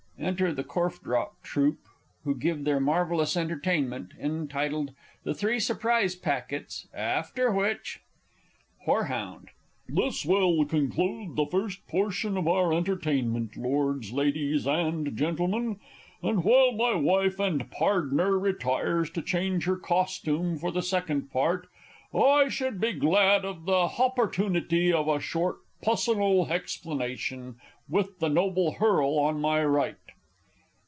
Enter the Korffdropp Troupe, who give their marvellous Entertainment, entitled, "The Three Surprise Packets;" after which Horehound. This will conclude the first portion of our Entertainment, Lords, Ladies, and Gentlemen; and, while my wife and pardner retires to change her costoom for the Second Part, I should be glad of the hoppertoonity of a short pussonal hexplanation with the noble Herl on my right.